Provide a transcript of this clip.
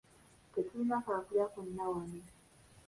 Tetulina kaakulya konna wano.